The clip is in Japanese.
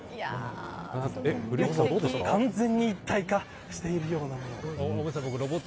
完全に一体化しているようです。